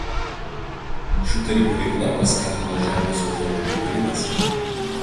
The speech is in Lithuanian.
Šių tarybų veikla paskatino Žemės ūkio rūmų kūrimąsi.